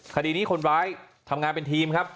คดีนี้คนร้ายทำงานเป็นทีมครับ